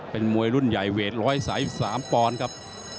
เป็นมวยรุ่นใหญ่เวท๑๓๓ปอนด์ครับ